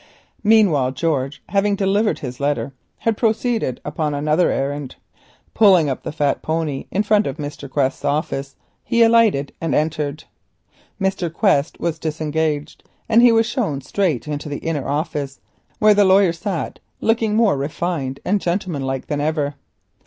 Meanwhile George, having delivered his letter, had gone upon another errand. Pulling up the fat pony in front of Mr. Quest's office he alighted and entered. Mr. Quest was disengaged, and he was shown straight into the inner office, where the lawyer sat, looking more refined and gentlemanlike than ever.